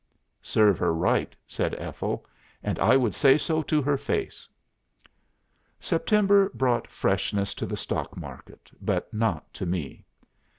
'" "'Serve her right,' said Ethel 'And I would say so to her face.'" "September brought freshness to the stock market but not to me.